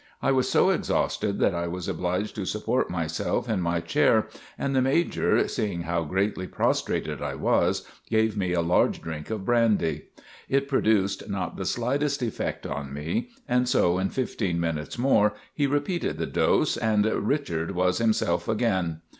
I was so exhausted that I was obliged to support myself in my chair, and the Major, seeing how greatly prostrated I was, gave me a large drink of brandy. It produced not the slightest effect on me, and so in fifteen minutes more he repeated the dose, and "Richard was himself again."